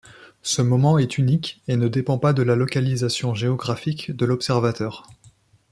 Ce moment est unique, et ne dépend pas de la localisation géographique de l'observateur.